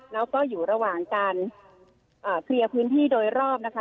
แล้วก็อยู่ระหว่างการเคลียร์พื้นที่โดยรอบนะคะ